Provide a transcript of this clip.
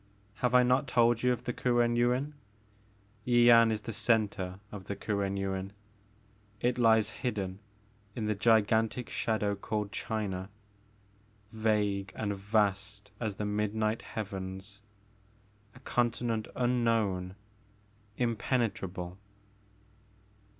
Have I not told you of the Kuen Yuin ? Yian is the centre of the Kuen Yuin. It lies hidden in that gigantic shadow called China, vague and vast as the midnight Heavens, — a continent unknown, impenetrable."